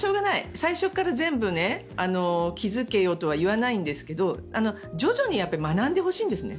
最初から全部気付けよとは言わないんですけど徐々に学んでほしいんですね。